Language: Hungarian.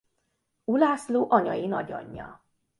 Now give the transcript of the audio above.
Ulászló anyai nagyanyja.